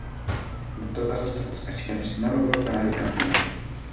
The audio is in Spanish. En todas estas ocasiones, no logró ganar el campeonato.